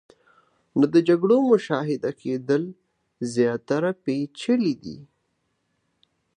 نو د جګړو مشاهده کېدل زیاتره پیچلې دي.